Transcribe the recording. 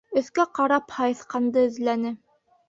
Өҫкә ҡарап һайыҫҡанды эҙләне.